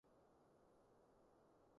根本不會影響結果